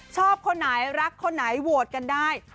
คนไหนรักคนไหนโหวตกันได้